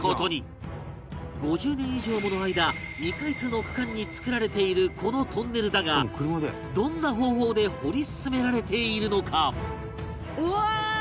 ５０年以上もの間未開通の区間に造られているこのトンネルだがどんな方法で掘り進められているのか？